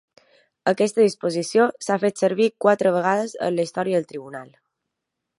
Aquesta disposició s'ha fet servir quatre vegades en la història del Tribunal.